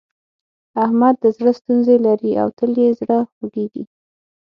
احمد د زړه ستونزې لري او تل يې زړه خوږېږي.